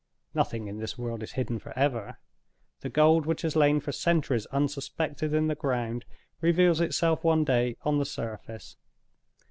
Nothing in this world is hidden forever. The gold which has lain for centuries unsuspected in the ground, reveals itself one day on the surface.